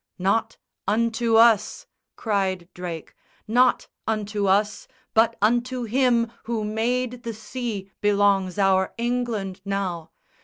"Not unto us," Cried Drake, "not unto us but unto Him Who made the sea, belongs our England now!